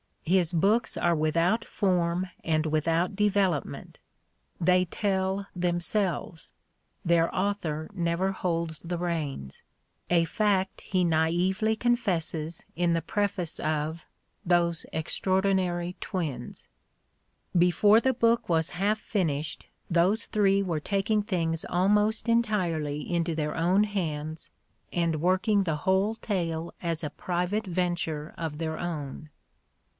His books are without form and without development ; they tell themselves, their author never holds the reins — a fact he naively confesses in the preface of "Those Ex traordinary Twins": "Before the book was half finished those three were taking things almost entirely into their own hands and working the whole tale as a private venture of their own."